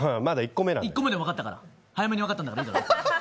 １個目で分かったから、早めに分かったから。